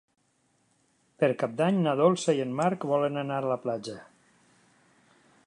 Per Cap d'Any na Dolça i en Marc volen anar a la platja.